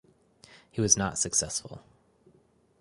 He was not successful.